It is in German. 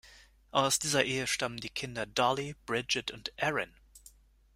Aus dieser Ehe stammen die Kinder Dolly, Bridget und Erin.